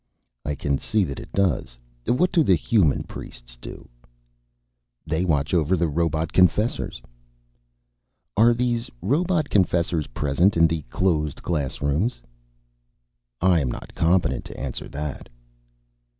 "I can see that it does. What do the human priests do?" "They watch over the robot confessors." "Are these robot confessors present in the closed classrooms?" "I am not competent to answer that."